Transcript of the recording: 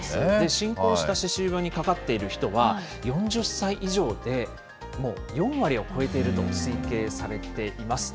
進行した歯周病にかかっている人は４０歳以上でもう４割を超えていると推計されています。